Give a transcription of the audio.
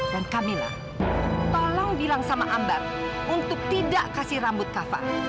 dan kamilah tolong bilang sama ambar untuk tidak kasih rambut kafa